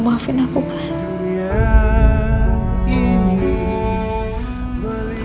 melihatnya dari jauh bersama dia